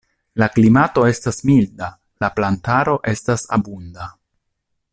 La klimato estas milda, la plantaro estas abunda.